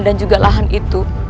dan juga lahan itu